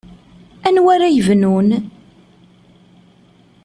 Anwa ara yebnun?